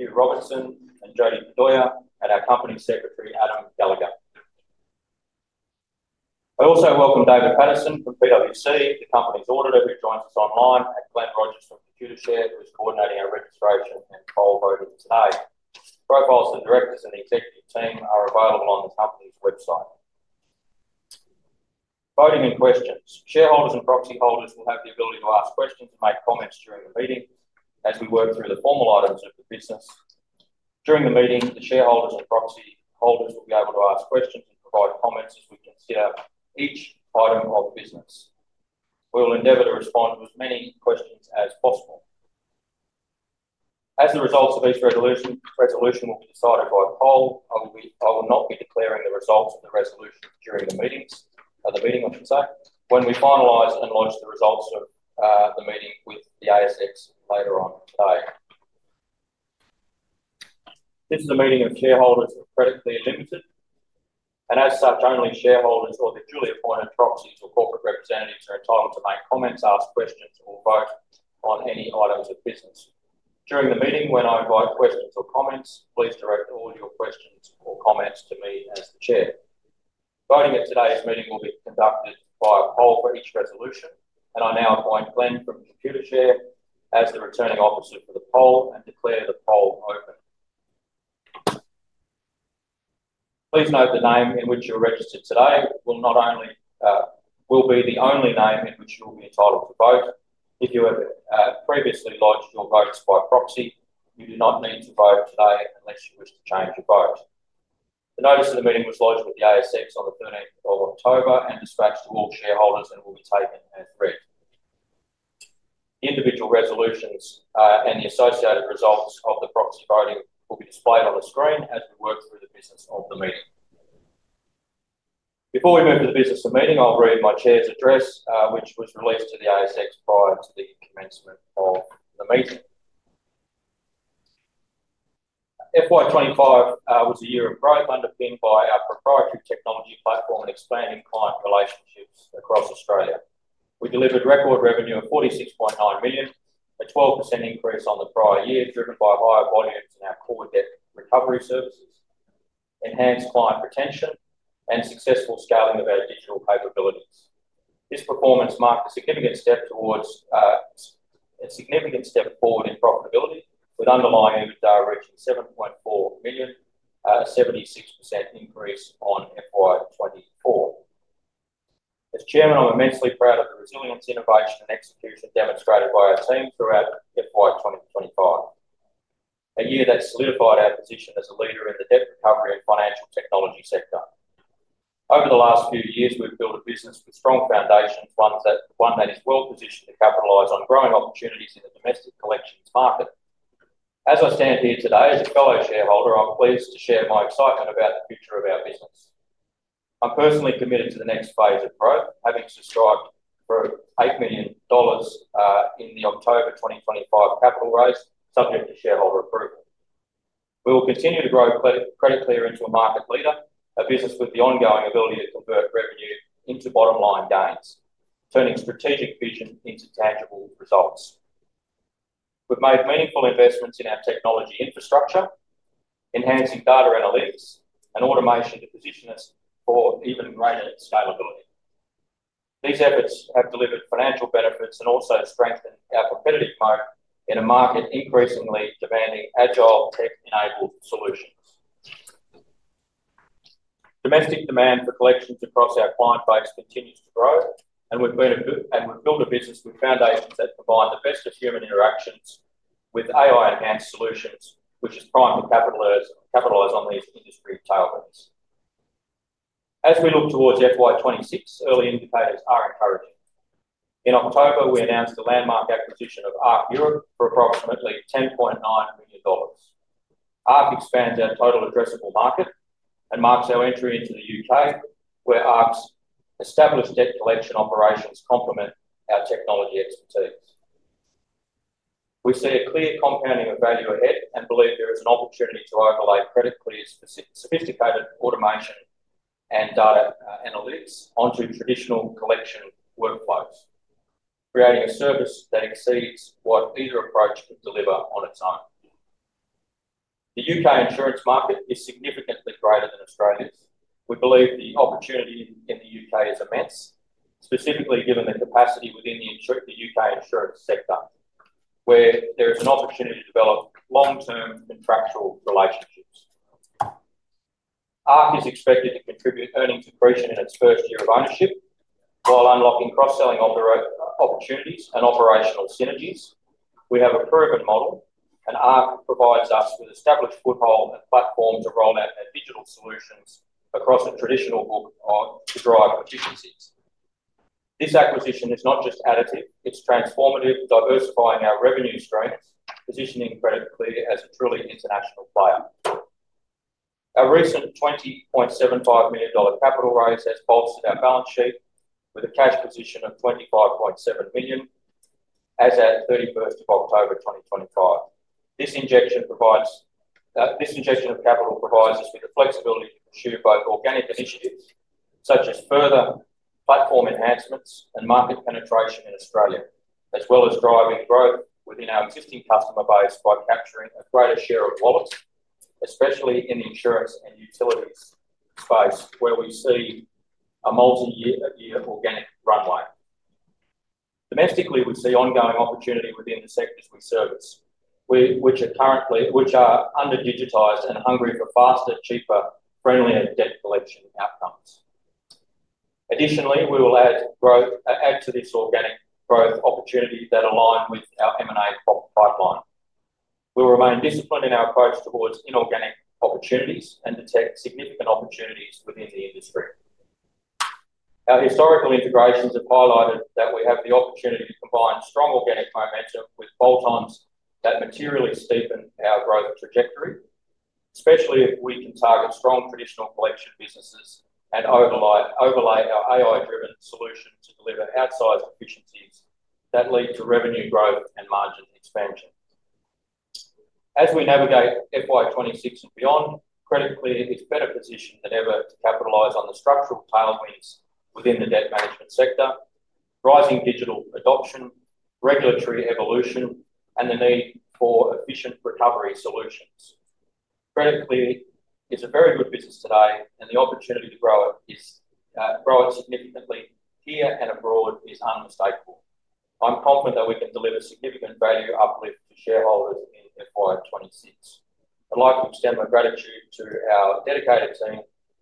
Hugh Robertson and Jodie Bedoya and our Company Secretary, Adam Gallagher. I also welcome David Patterson from PwC, the company's auditor who joins us online, and Glenn Rogers from Computershare who is coordinating our registration and poll voting today. Profiles and directors and the executive team are available on the company's website. Voting and Questions Shareholders and proxy holders will have the ability to ask questions and make comments during the meeting. As we work through the formal items of the business during the meeting, the shareholders and proxy holders will be able to ask questions and provide comments. As we consider each item of business, we will endeavor to respond to as many questions as possible as the results of each resolution will be decided by poll. I will not be declaring the results of the resolution during the meetings. The meeting, I should say, when we finalise and lodge the results of the meeting with the ASX later on today. This is a meeting of shareholders, Credit Clear Limited. And as such, only shareholders or the duly appointed proxies or corporate representatives are entitled to make comments, ask questions, or vote on any items of business during the meeting. When I invite questions or comments, please direct all your questions or comments to me as the Chair. Voting at today's meeting will be conducted by a poll for each resolution, and I now appoint Glenn from Computershare as the Returning Officer for the poll and declare the poll open. Please note the name in which you're registered today will be the only name in which you will be entitled to vote. If you have previously lodged your votes by proxy, you do not need to vote today unless you wish to change your votes. The notice of the meeting was lodged with the ASX on 13th October and dispatched to all shareholders and will be taken as read. The individual resolutions and the associated results of the proxy voting will be displayed on the screen as we work through the business of the meeting. Before we move to the business of meeting, I'll read my Chair's address which was released to the ASX prior to. The commencement of the meeting. FY2025 was a year of growth underpinned by our proprietary technology platform and expanding client relationships across Australia. We delivered record revenue of 46.9 million, a 12% increase on the prior year driven by higher volumes in our core debt recovery services, enhanced client retention, and successful scaling of our digital capabilities. This performance marked a significant step forward in profitability with underlying EBITDA reaching 7.4 million, a 76% increase on FY2024. As Chairman, I'm immensely proud of the resilience, innovation, and execution demonstrated by our team throughout FY2025, a year that solidified our position as a leader in the debt recovery and financial technology sector. Over the last few years we've built a business with strong foundations, one that is well positioned to capitalize on growing opportunities in the domestic collections market. As I stand here today as a fellow shareholder, I'm pleased to share my excitement about the future of our business. I'm personally committed to the next phase of growth, having subscribed for 8 million dollars in the October 2025 capital raise subject to shareholder approval. We will continue to grow Credit Clear into a market leader, a business with the ongoing ability to convert revenue into bottom line gains, turning strategic vision into tangible results. We've made meaningful investments in our technology infrastructure, enhancing data analytics and automation to position us for even greater scalability. These efforts have delivered financial benefits and also strengthened our competitive moat in a market increasingly demanding agile tech enabled solutions. Domestic demand for collections across our client base continues to grow and we've built a business with foundations that provide the best of human interactions with AI-enhanced solutions which is primed to capitalize on these industry tailwinds. As we look towards FY2026, early indicators are encouraging. In October we announced the landmark acquisition of ARC Europe for approximately 10.9 million dollars. ARC expands our total addressable market and marks our entry into the U.K. where ARC's established debt collection operations complement our technology expertise. We see a clear compounding of value ahead and believe there is an opportunity to overlay Credit Clear's sophisticated automation and data analytics onto traditional collection workflows, creating a service that exceeds what either approach can deliver on its own. The U.K. insurance market is significantly greater than Australia's. We believe the opportunity in the U.K. is immense, specifically given the capacity within the U.K. insurance sector where there is an opportunity to develop long term contractual relationships. ARC is expected to contribute earnings accretion in its first year of ownership while unlocking cross selling opportunities and operational synergies. We have a proven model and ARC provides us with established foothold and platform to roll out their digital solutions across a traditional book to drive efficiencies. This acquisition is not just additive, it is transformative, diversifying our revenue streams, positioning Credit Clear as a truly international player. Our recent AUD 20.75 million capital raise has bolstered our balance sheet with a cash position of AUD 25.7 million as at 31st of October 2025. This injection of capital provides us with the flexibility to pursue both organic initiatives such as further platform enhancements and market penetration in Australia as well as driving growth within our existing customer base by capturing a greater share of wallets, especially in the insurance and utilities space where we see a multi-year organic runway. Domestically, we see ongoing opportunity within the sectors we service, which are under-digitized and hungry for faster, cheaper, friendlier debt collection outcomes. Additionally, we will add to this organic growth opportunity that align with our M&A pipeline. We remain disciplined in our approach towards inorganic opportunities and detect significant opportunities within the industry. Our historical integrations have highlighted that we have the opportunity to combine strong organic momentum with bolt ons that materially steepen our growth trajectory, especially if we can target strong traditional collection businesses and overlay our AI driven solution to deliver outsized efficiencies that lead to revenue growth and margin expansion. Expansion as we navigate FY2026 and beyond, Credit Clear is better positioned than ever to capitalize on the structural tailwinds within the debt management sector, rising digital adoption, regulatory evolution and the need for efficient recovery solutions. Credit Clear is a very good business today and the opportunity to grow it is grow it significantly here and abroad is unmistakable. I'm confident that we can deliver significant value uplift to shareholders in FY2026. I'd like to extend my gratitude to our dedicated team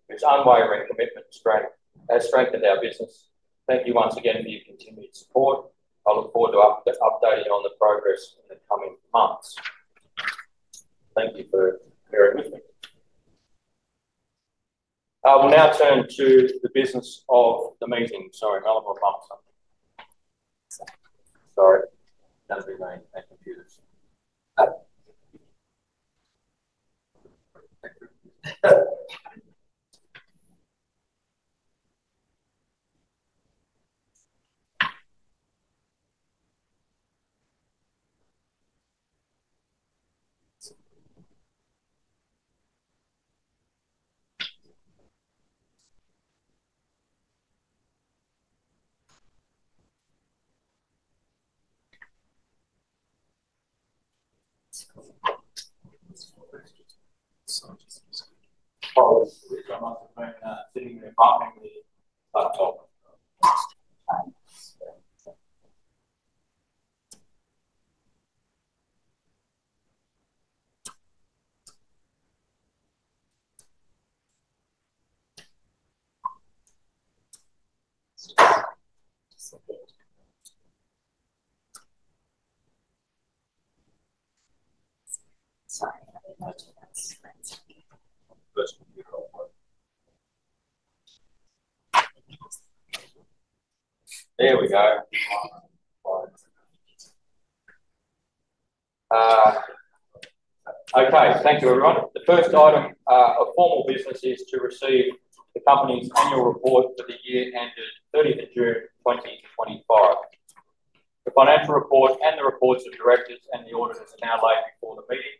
whose unwavering commitment to strength has strengthened our business. Thank you once again for your continued support. I look forward to updating you on. The progress in the coming months. Thank you for bearing with me. I will now turn to the business of the meeting. Sorry, I may have bumped something. Sorry. There we go. Okay, thank you everyone. The first item of formal business is to receive the company's annual report for the year ended 30 June 2025. The financial report and the reports of directors and the auditors are now laid before the meeting.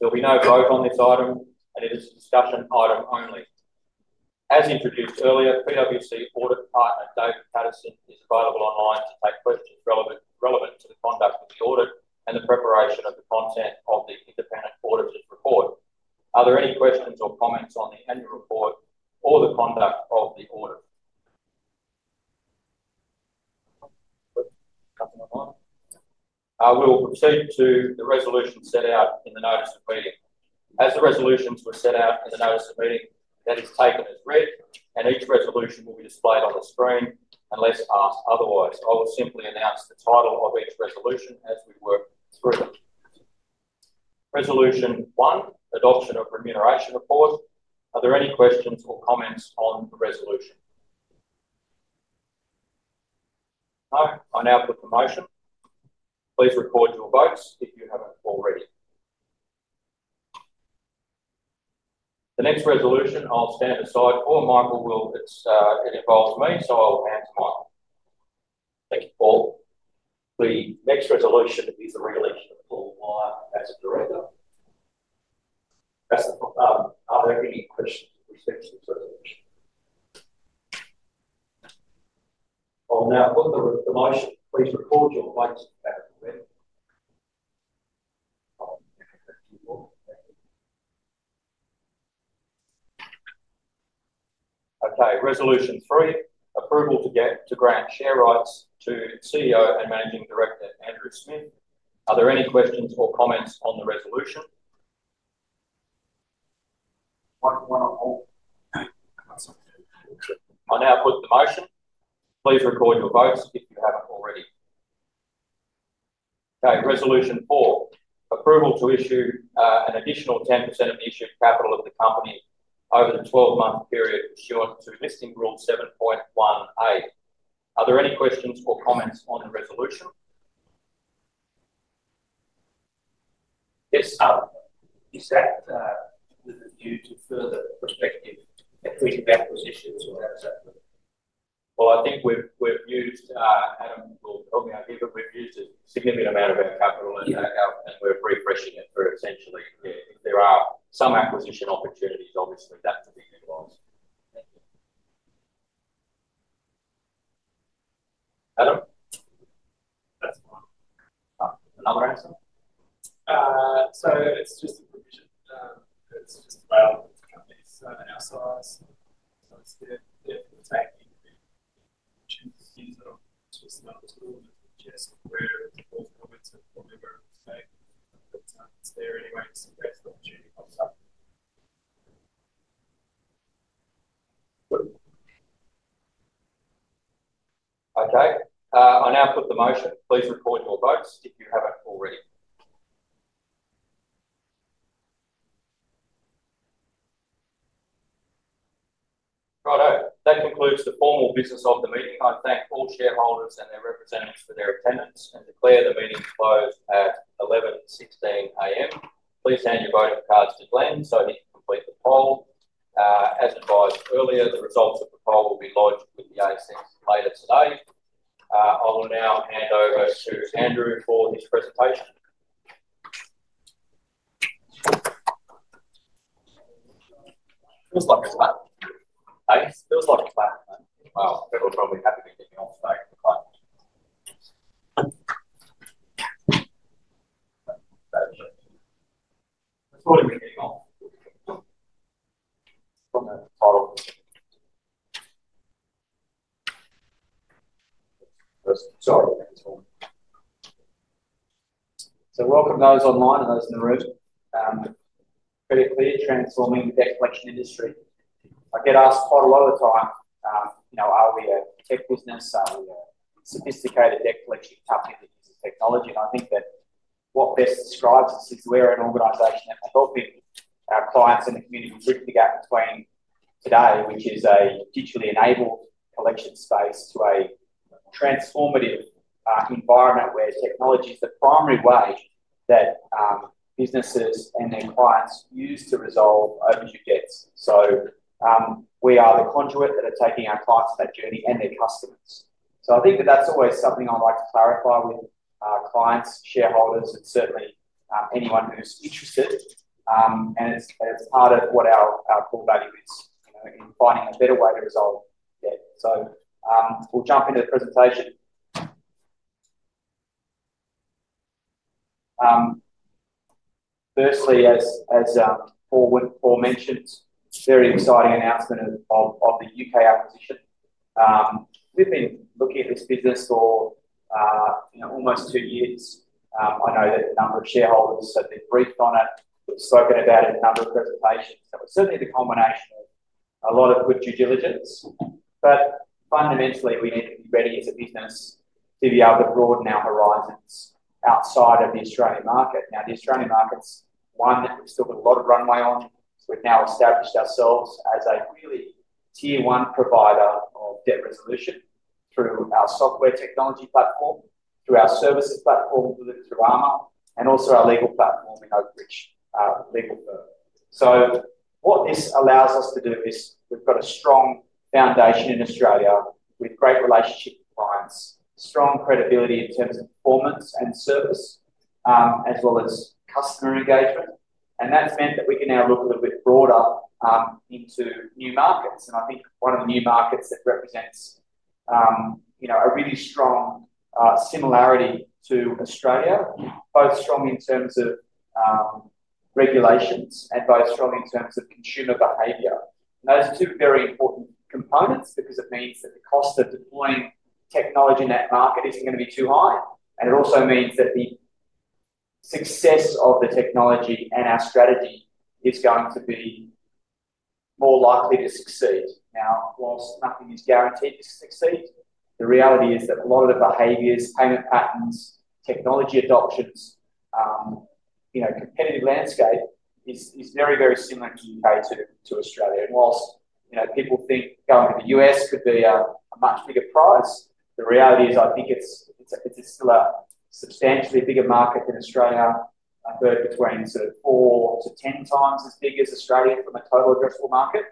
There'll be no vote on this item and it is a discussion item only. As introduced earlier, PwC audit partner David Patterson is available online to take questions relevant to the conduct of the audit and the preparation of the content of the independent auditor's report. Are there any questions or comments on the annual report or the conduct of the audit? We will proceed to the resolution set out in the notice of meeting as the resolutions were set out in the notice of meeting that is taken as read and each resolution will be displayed on the screen unless asked otherwise. I will simply announce the title of each resolution as we work through them. Resolution 1 Adoption of Remuneration Report. Are there any questions or comments on the resolution? No. I now put the motion. Please record. Your votes if you haven't already. The next resolution I'll stand aside for Michael as it involves me so I'll hand to Michael. Thank you, Paul. The next resolution is the re election. Of Paul Wyer as a director. Are there any questions? I'll now put the motion. Please record your votes. Okay. Resolution three, approval to grant share rights to CEO and Managing Director Andrew Smith. Are there any questions or comments on the resolution? I now put the motion. Please record your votes if you haven't already. Okay. Resolution 4 approval to issue an additional 10% of the issued capital of the company over the 12 month period issuance to listing rule 7.18. Are there any questions or comments on the resolution? Yes. Is that due to further prospective? I think we've used. Adam will help me out here, but. We've used a significant amount of our capital and we're refreshing it for essentially if there are some acquisition opportunities obviously. That can be utilized. Adam, another answer. So it's just a question provision. Okay, I now put the motion. Please record your votes if you haven't already. Righto. That concludes the formal business of the meeting. I thank all shareholders and their representatives for their attendance and declare the meeting close at 11:16 A.M. Please hand your voting cards to Glenn so he can complete the poll as advised earlier. The results of the poll will be lodged with the ASX later today. I will now hand over to Andrew for his presentation. Welcome those online and those in the room. Credit Clear transforming the debt collection industry. I get asked quite a lot of the time, you know, are we a tech business? Are we a sophisticated debt collection company that uses technology? I think that what best describes us is we're an organization that we're helping our clients in the community bridge the gap between today, which is a digitally enabled collection space, to a transformative environment where technology is the primary way that businesses and their clients use to resolve overdue debts. We are the conduit that are taking our clients on that journey and their customers. I think that that's always something I like to clarify with clients, shareholders, and certainly anyone who's interested. It's part of what our core value is in finding a better way to resolve debt. We'll jump into the presentation. Firstly, as Paul mentioned, very exciting announcement. Of the U.K. acquisition. We've been looking at this business for almost two years. I know that a number of shareholders have been briefed on it. We've spoken about it in a number of presentations. That was certainly the combination of a.Lot of good due diligence. Fundamentally we need to be ready as a business to be able to broaden our horizons outside of the Australian market. Now, the Australian market's one that we've still got a lot of runway on. We've now established ourselves as a really tier one provider of debt resolution through our software technology platform, through our services platform delivered through Armour, and also our legal platform in Oakridge Legal. What this allows us to do is we've got a strong foundation in Australia with great relationship with clients, strong credibility in terms of performance and service as well as customer engagement. That's meant that we can now look a little bit broader into new markets. I think one of the new markets that represents, you know, a really strong similarity to Australia, both strong in terms of regulations and both strong in terms of consumer behavior, those two very important components, because it means that the cost of deploying technology in that market is not going to be too high. It also means that the success of the technology and our strategy is going to be more likely to succeed. Now, whilst nothing is guaranteed to succeed, the reality is that a lot of the behaviors, payment patterns, technology adoptions, you know, competitive landscape is very, very similar to the U.K. to Australia. Whilst, you know, people think going to the U.S. could be a much bigger prize, the reality is, I think it is. It is still a substantially bigger market than Australia. I heard between 4x-10x as big as Australia from a total addressable market.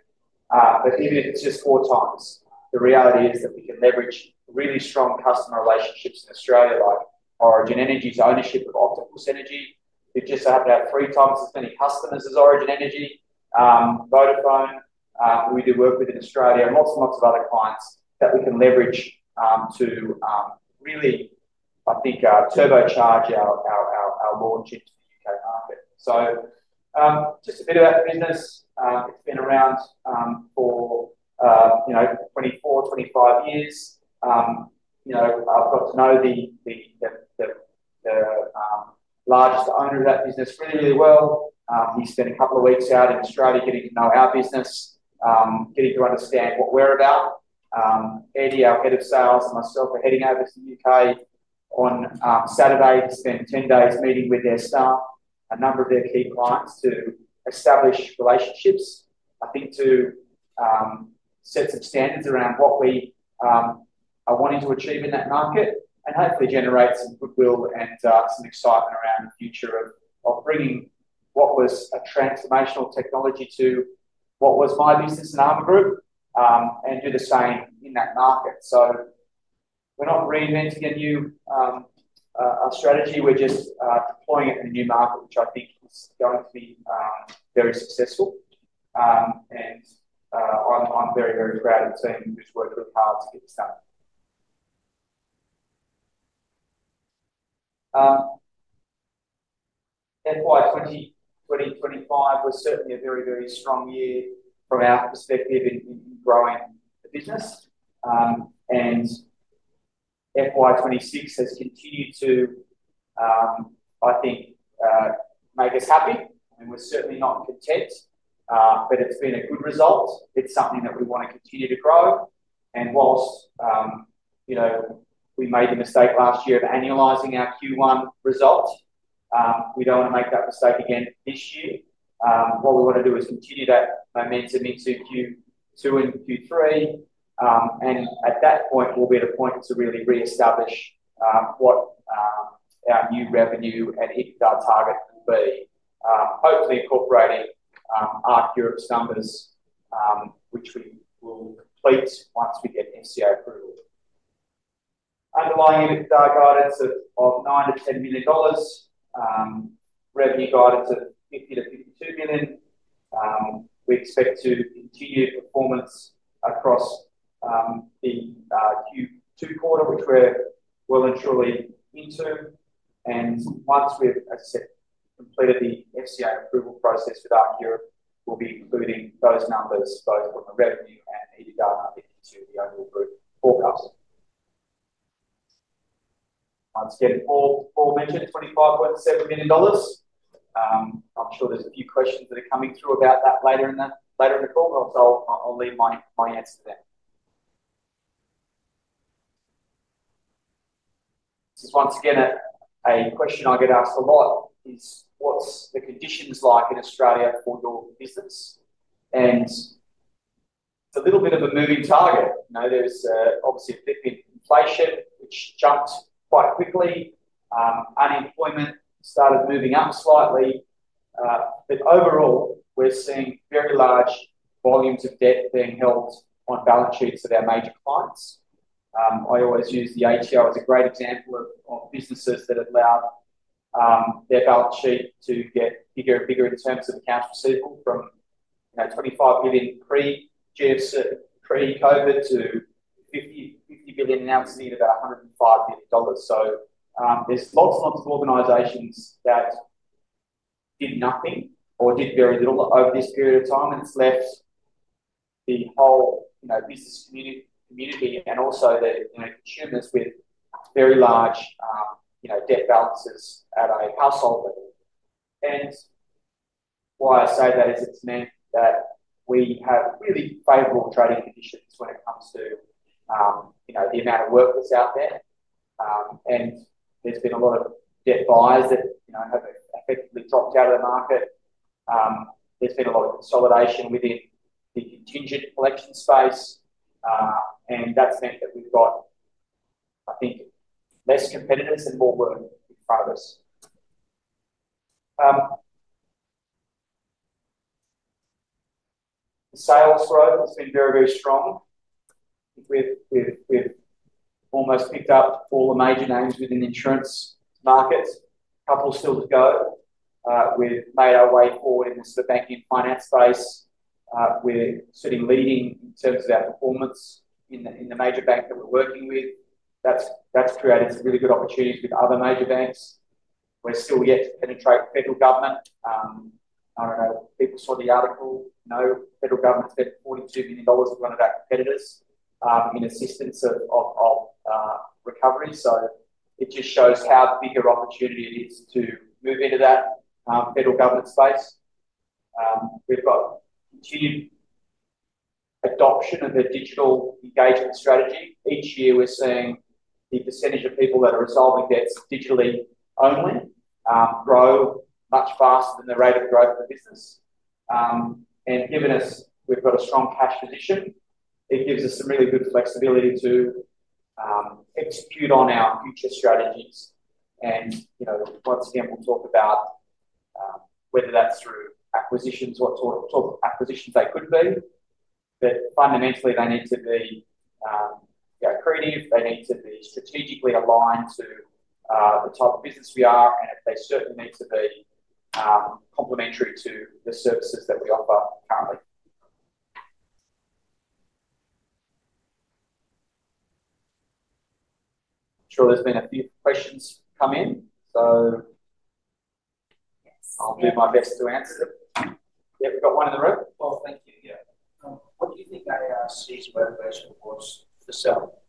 Even if it's just four times, the reality is that we can leverage really strong customer relationships in Australia, like Origin Energy's ownership of Octopus Energy. We just have to have three times as many customers as Origin Energy, Vodafone we do work with in Australia, and lots and lots of other clients that we can leverage to really, I think, turbocharge our launch into the U.K. market. Just a bit about the business. It's been around for, you know, 24, 25 years. You know, I've got to know the largest owner of that business really, really well. He spent a couple of weeks out in Australia getting to know our business, getting to understand what we're about. Eddie, our Head of Sales, and myself are heading over to the U.K. on Saturday to spend 10 days meeting with their staff, a number of their key clients, to establish relationships, I think, to set some standards around what we are wanting to achieve in that market and hopefully generate some goodwill and some excitement around the future of bringing what was a transformational technology to what was my business in Armour Group and do the same in that market. We are not reinventing a new strategy, we are just deploying it in a new market which I think is going to be very successful and I am very, very proud of the team. Just work really hard to get this done. FY2025 was certainly a very, very strong year from our perspective in growing the business and FY2026 has continued to, I think, make us happy and we're certainly not content, but it's been a good result. It's something that we want to continue to grow. Whilst, you know, we made the mistake last year of annualizing our Q1 result, we don't want to make that mistake again this year. What we want to do is continue that momentum into Q2 and Q3 and at that point will be the point to really re-establish what our new revenue and EBITDA target will be. Hopefully incorporating ARC Europe's numbers, which we will complete once we get FCA approval, underlying EBITDA guidance of $9 million-$10 million, revenue guidance of $50 million-$52 million. We expect to continue performance across the Q2 quarter which we're well and truly into. Once we've completed the FCA approval process with our year, we will be including those numbers both from the revenue and EBITDA into the annual group forecast. Paul mentioned AUD 25.7 million. I'm sure there are a few questions that are coming through about that later in the call, so I'll leave my answer to that. This is once again a question I get asked a lot: what's the conditions like in Australia for your business? It's a little bit of a moving target. There's obviously a big inflation which jumped quite quickly. Unemployment started moving up slightly, but overall we're seeing very large volumes of debt being held on balance sheets of our major clients. I always use the ATO as a great example of businesses that allow their. Balance sheet to get bigger and bigger. In terms of accounts receivable from, you know, 25 million pre-Covid to 50 billion, now seeing about AUD 105 billion. So there's lots and lots of organizations that did nothing or did very little. Over this period of time. It has left the whole, you know, business community and also the consumers with very large, you know, debt balances at a household level. Why I say that is it has meant that we have really favorable trading conditions when it comes to, you know, the amount of workers out there and there have been a lot of debt buyers that, you know, have effectively dropped out of the market. There has been a lot of consolidation within the contingent collection space and that has meant that we have, I think, fewer competitors and more work in front of us. The sales growth has been very, very strong. We have almost picked up all the major names within the insurance markets. A couple still to go. We have made our way forward into the banking finance space. We're sitting leading in terms of our performance in the major bank that we're working with. That's created some really good opportunities with other major banks. We're still yet to penetrate federal government. I don't know. People saw the article. No. Federal government spent 42 million dollars, one of our competitors, in assistance of recovery. It just shows how big your. Opportunity it is to move into that federal government space. We've got adoption of the digital engagement strategy each year. We're seeing the percentage of people that are resolving debts digitally only grow much faster than the rate of growth of the business. Given us, we've got a strong cash position, it gives us some really good flexibility to execute on our future strategies. You know, once again, we'll talk about whether that's through acquisitions, what sort of acquisitions they could be, but fundamentally they need to be accretive, they need to be strategically aligned to the type of business we are, and they certainly need to be complementary to the services that we offer currently, sure. There's been a few questions come in, so I'll do my best to answer them. Yeah, we've got one in the room. Thank you. Yeah. What do you think ARC's motivation was to sell?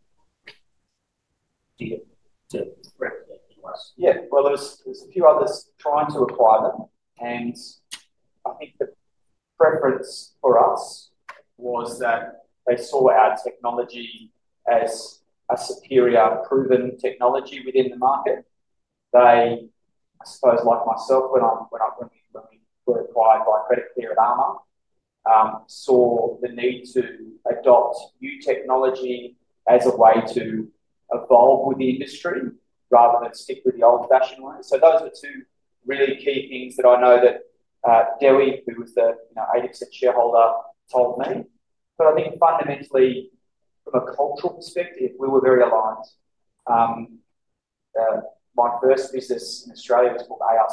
Yeah, there's a few others trying to acquire them and I think the preference for us was that they saw our technology as superior. Proven technology within the market. They, I suppose, like myself, when I, when we were acquired by Credit Clear at Armour, saw the need to adopt new technology as a way to evolve with the industry rather than stick with the old fashioned way. Those are two really key things that I know that Dewey, who was the, you know, 80% shareholder, told me. I think fundamentally from a cultural perspective, we were very aligned. My first business in Australia was called ARC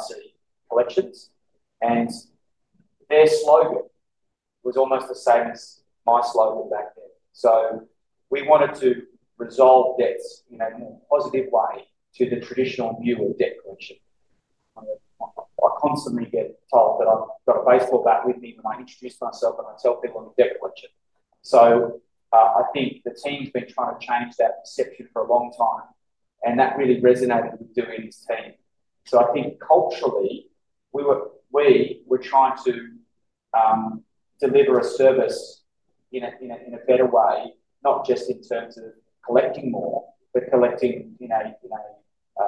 Collections and their slogan was almost the same as my slogan back then. We wanted to resolve debts in. A more positive way to the traditional. View of debt collection. I constantly get told that I've got a baseball bat with me when I introduce myself and I tell people I'm on the debt collection. I think the team's been trying to change that perception for a long time and that really resonated with Dewey and his team. I think culturally we were trying to deliver a service in a better way, not just in terms of collecting more, but collecting in a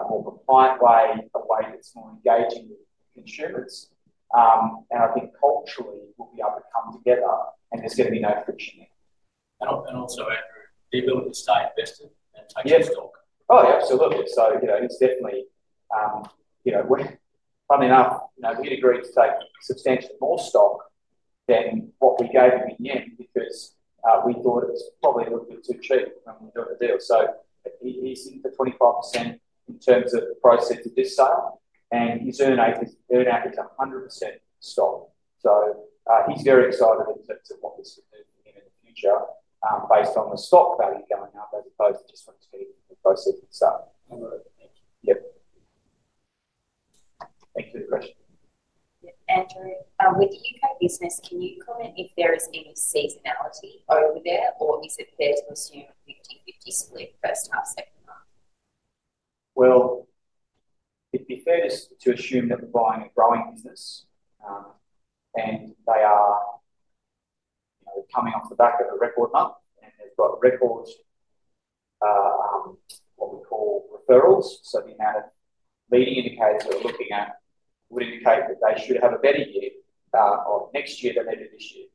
more compliant way, a way that's more engaging with consumers. I think culturally we'll be able to come together and there's going to be no friction. Also, Andrew, the ability to stay invested and take stock. Oh, yeah, absolutely. You know, it's definitely, you know, funny enough, you know, he agreed to take substantially more stock than what we gave him in the end because we thought it was probably a little bit too cheap when we were doing the deal. He's in for 25% in terms of proceeds of this sale and his earn out is 100% stock. He's very excited in terms of what this could do for him in the future, based on the stock value going up as opposed to just when it's feeding proceeds. Yep. Thank you for the question. Andrew, with the U.K. business, can you comment if there is any seasonality over there or is it fair to assume 50/50 split, first half, second half? It'd be fair to assume that we're buying a growing business and they are, you know, coming off the back of a record month and they've got record, what we call referrals. The amount of leading indicators that we're looking at would indicate that they should have a better year next year than they do this year.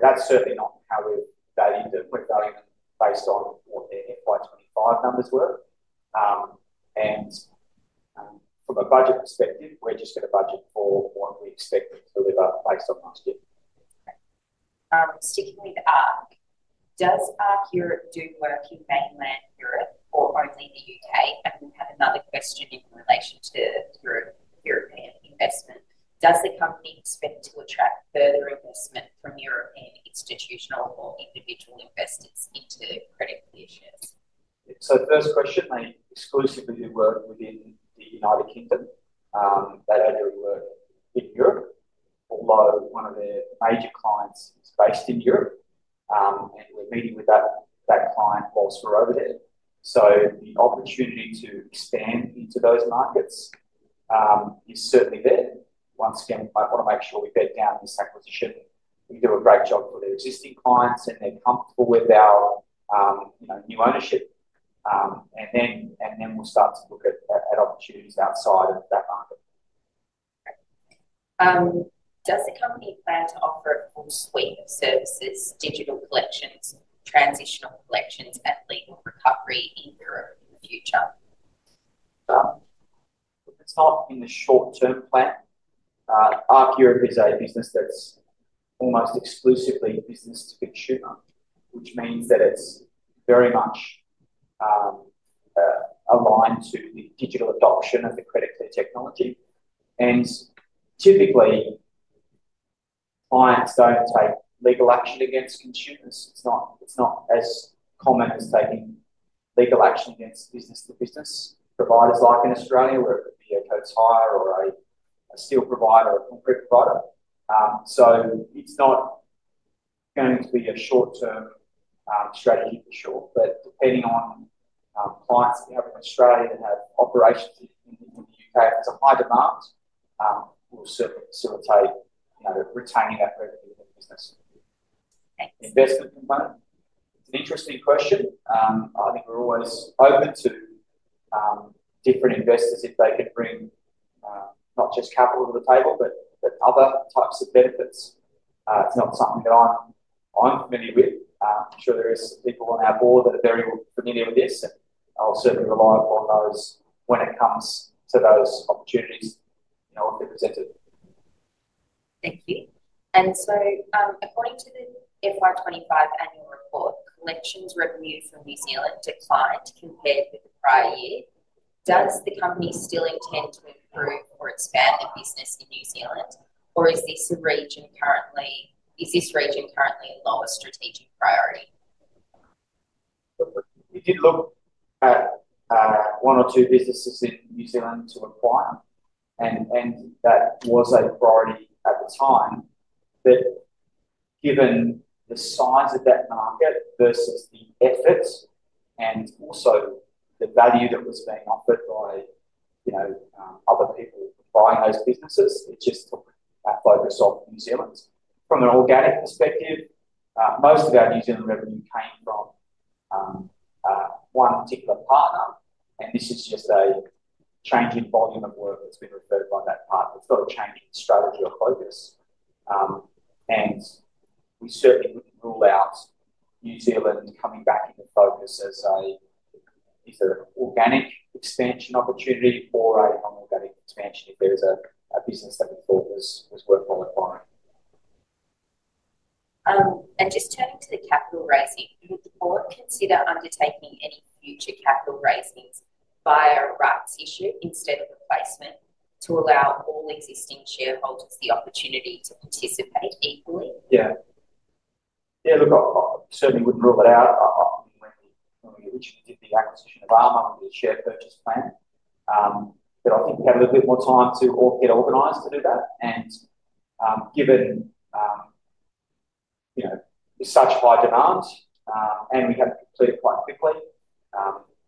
That's certainly not how we value them. We're valuing based on what their FY2025 numbers were and from a budget perspective, we're just going to budget for what we expect to deliver based on last year. Sticking with ARC, does ARC Europe do work in mainland Europe or only the U.K.? We have another question in relation to European investment. Does the company expect to attract further investment from European institutional or individual investors into Credit Clear? First question, they exclusively do work within the United Kingdom. They don't work in Europe, although one of their major clients is based in Europe and we're meeting with that client whilst we're over there. The opportunity to expand into those markets is certainly there. Once again, we might want to make sure we bed down this acquisition. We do a great job for their existing clients and they're comfortable with our new ownership and then we'll start to look at opportunities outside of that market. Does the company plan to offer a full suite of services, digital collections, transitional collections, and legal recovery in Europe in the future? It's not in the short term plan. ARC Europe is a business that's almost exclusively business to consumer, which means that it's very much aligned to the digital adoption of the credit technology. Typically, clients don't take legal action against consumers. It's not as common as taking legal action against business to business providers like in Australia, where it could be a code tire or a steel provider or a concrete provider. It's not going to be a short term strategy for sure. Depending on clients that you have in Australia, operations in the U.K. as a high demand will certainly facilitate retaining that revenue investment component. It's an interesting question. I think we're always open to different investors if they could bring not just capital to the table but other types of benefits. It's not something that I'm familiar with. I'm sure there are people on our board that are very familiar with this. I'll certainly rely upon those when it comes to those opportunities. Thank you. According to the FY2025 annual report, collections revenue from New Zealand declined compared with the prior year. Does the company still intend to improve or expand their business in New Zealand or is this a region currently? Is this region currently lower strategic priority? We did look at one or two businesses in New Zealand to acquire, and that was a priority at the time. Given the size of that market versus the efforts and also the value that was being offered by, you know, other people buying those businesses, it just took fibersoft New Zealand from an organic perspective. Most of our New Zealand revenue came from one particular partner and this is just a change in volume of work that's been referred by that partner. It's got a change in strategy or focus. We certainly wouldn't rule out New Zealand coming back into focus as an organic expansion opportunity for a home. Organic expansion, if there was a business that the thought was worthwhile in. Just turning to the capital raising, would the board consider undertaking any future capital raisings via rights issue instead of replacement to allow all existing shareholders the opportunity to participate equally? Yeah, yeah. Look, I certainly wouldn't rule it out when we originally did the acquisition of share purchase plan. I think we have a little bit more time to get organized to do that and given, you know, such high demands and we have completed quite quickly,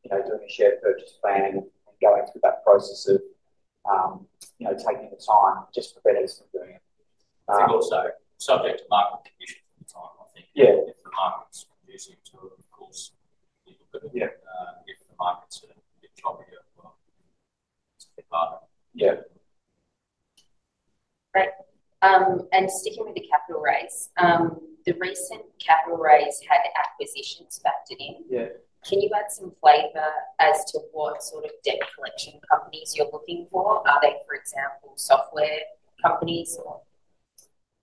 you know, doing a share purchase plan and going through that process of, you know, taking the time just for. Better, I think also subject to market. Conditions at the time, I think. Different markets. Yeah. Right. Sticking with the capital raise, the recent capital raise had acquisitions factored in. Yeah. Can you add some flavor as to what sort of debt collection companies you're looking for? Are they, for example, software companies or?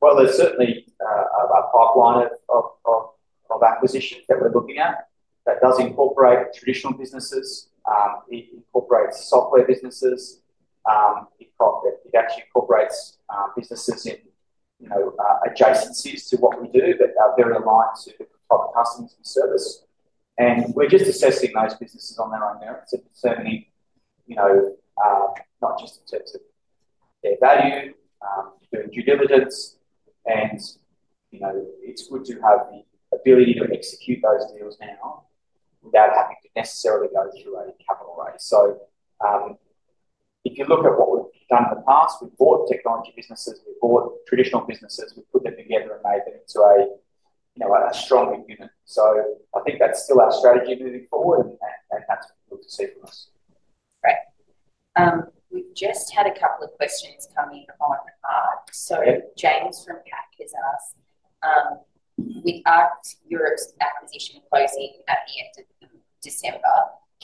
There is certainly a pipeline of acquisitions that we are looking at that does incorporate traditional businesses, it incorporates software businesses, it actually incorporates businesses in, you know, adjacencies to what we do that are very aligned to different types of customers and service. We are just assessing those businesses on their own merits. If there are 70, you know, not just in terms of their value, doing due diligence and, you know, it is good to have the ability to execute those deals now without having to necessarily go through a capital raise. If you look at what we have done in the past, we bought technology businesses, we bought traditional businesses, we put them together and made them into a, you know, a stronger unit. I think that is still our strategy moving forward and that is what you will see from us. Great. We've just had a couple of questions come in on ARC. So James from CAC has asked, with ARC Europe's acquisition closing at the end of December,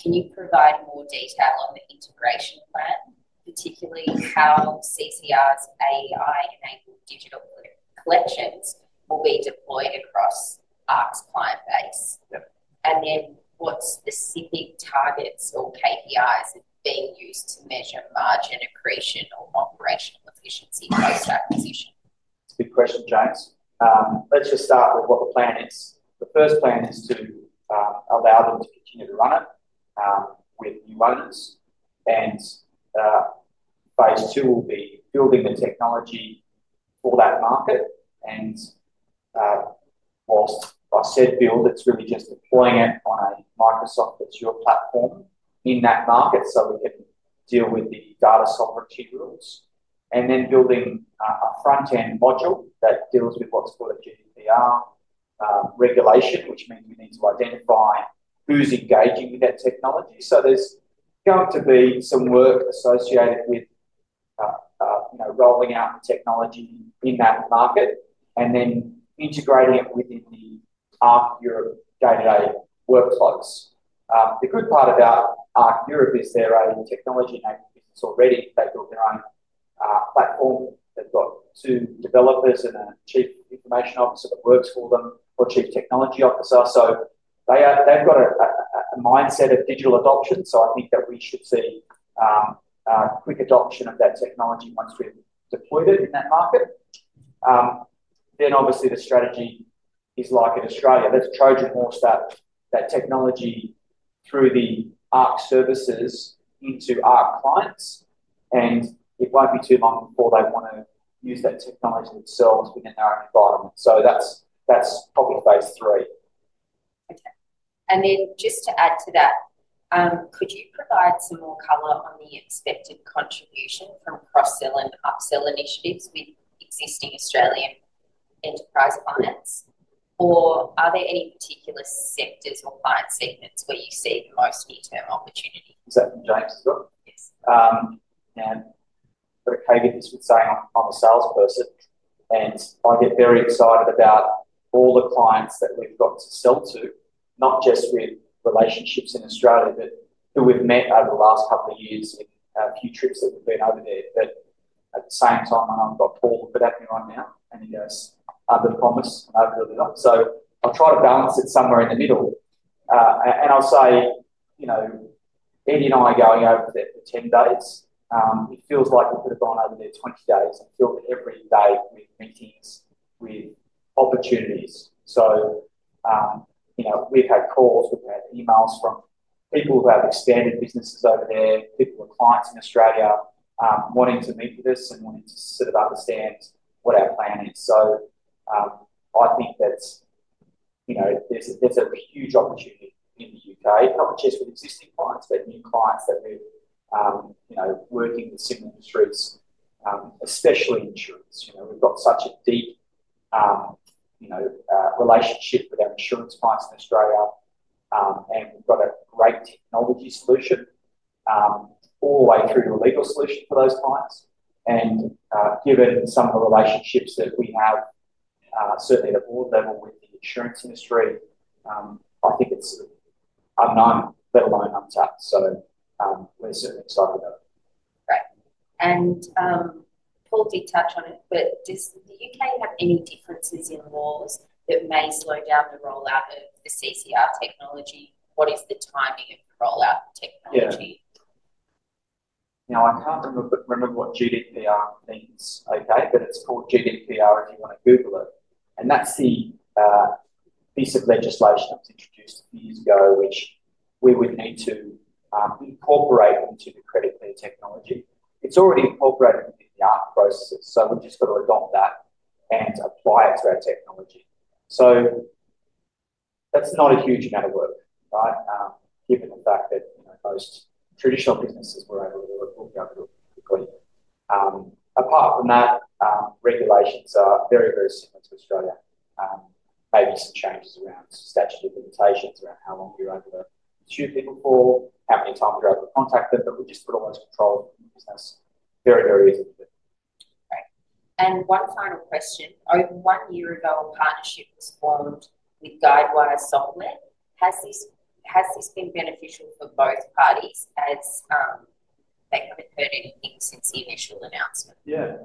can you provide more detail on the integration plan, particularly how CCR's AI-enabled digital collections will be deployed across ARC's client base and then what specific targets or KPIs are being used to measure margin accretion or operational efficiency based on the acquisition? It's a good question, James. Let's just start with what the plan is. The first plan is to allow them to continue to run it with new owners and phase two will be building the technology for that market. Whilst I said build, it's really just deploying it on a Microsoft Azure platform in that market so we can deal with the data sovereignty rules and then building a front end module that deals with what's called a GDPR regulation, which means we need to identify who's engaging with that technology. There's going to be some work associated with rolling out the technology in that market and then integrating it within the ARC Europe day-to-day workflows. The good part about ARC Europe is they're a technology-enabled business already. They build their own platform, they've got two developers and a Chief Information Officer that works for them or Chief Technology Officer. They've got a mindset of digital adoption. I think that we should see quick adoption of that technology once we've deployed it in that market. The strategy is like in Australia, that's Trojan horse that technology through the ARC services into ARC clients, and it won't be too long before they want to use that technology themselves within their own environment. That's copy phase three. Could you provide some more color on the expected contribution from cross sell and upsell initiatives with existing Australian enterprise clients, or are there any particular sectors or client segments where you see the most near term opportunity? Is that from James as well? Yes. I'm a salesperson and I get very excited about all the clients that we've got to sell to, not just with relationships in Australia, but who we've met over the last couple of years in a few trips that we've been over there. At the same time I know I've got Paul look at me right now and he goes under the promise. I’ll try to balance it somewhere in the middle and I'll say, you know, Andy and I are going over there for 10 days. It feels like we could have gone over there 20 days filled every day with meetings, with opportunities. You know, we've had calls, we've had emails from people who have expanded businesses over there, people with clients in Australia wanting to meet with us and wanting to sort of understand what our plan is. I think that, you know, there's a huge opportunity in the U.K., not just with existing clients, but new clients that we, you know, working with some industries, especially insurance. You know, we've got such a deep, you know, relationship with our insurance clients in Australia and we've got a great technology solution all the way through to a legal solution for those clients. Given some of the relationships that we have, certainly at a board level with the insurance industry, I think it's unknown, let alone untapped. We're certainly excited about it. Right. Paul did touch on it. Does the U.K. have any differences in laws that may slow down the rollout of the CCR technology? What is the timing of the rollout technology? Now I can't remember what GDPR means. Okay. It's called GDPR if you want to Google it. That's the piece of legislation that was introduced a few years ago which we would need to incorporate into the credit technology. It's already incorporated within the ARC processes, so we've just got to adopt that and apply it to our technology. That's not a huge amount of work. Right. Given the fact that most traditional businesses were able to. Apart from that, regulations are very, very similar to Australia. Maybe some changes around statute of limitations, around how long you're able to sue people for, how many times you're able to contact them. We just put all those control very, very easily. One final question. Over one year ago a partnership was formed with Guidewire Software. Has this been beneficial for both parties? Has they haven't heard anything since the initial announcement? Yeah,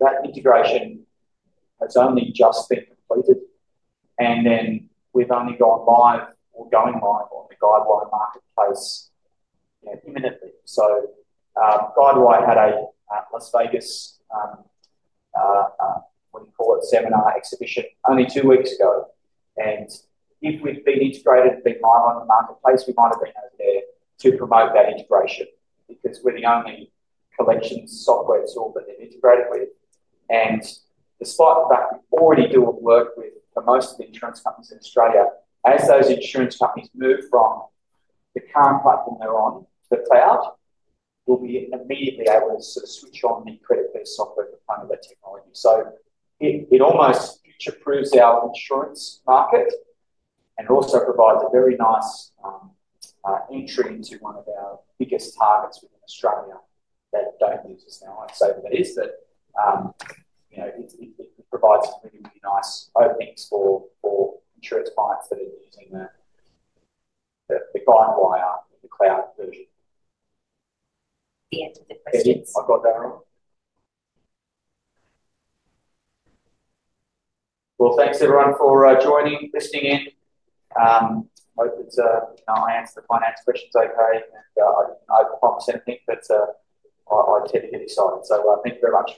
that integration has only just been completed and then we've only gone live or going live on the Guidewire Marketplace imminently. Guidewire had a Las Vegas, what do you call it, seminar exhibition only two weeks ago. If we'd been integrated and been live on the marketplace, we might have been out there to promote that integration because we're the only collection software tool that they've integrated with. Despite the fact we already do work with most of the insurance companies in Australia, as those insurance companies move from the current platform they're on to the cloud, we'll be immediately able to sort of switch on the credit based software to fund that technology. It almost future proofs our insurance market and it also provides a very nice entry into one of our biggest targets within Australia that don't use us. Now I'd say that is that, you know, it provides really nice openings for insurance clients that are using the Guidewire, the cloud version. I got that wrong. The end of the questions. Thanks everyone for joining. Listening in, hope that I answered the finance questions okay and I did not over promise anything, but I tend to get excited, so thank you very much.